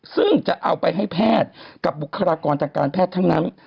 ซึ่งจะเอาไปให้แพทย์กับบุคลากรทางการแพทย์ทั้งนั้น